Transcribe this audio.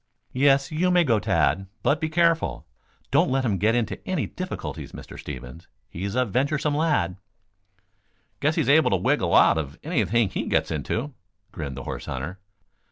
"Yes, you may go, Tad. But be careful. Don't let him get into any difficulties, Mr. Stevens. He's a venturesome lad." "Guess he's able to wiggle out of anything he gets into," grinned the horse hunter.